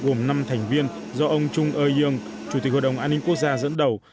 gồm năm thành viên do ông trung ơi ương chủ tịch hội đồng an ninh quốc gia dẫn đầu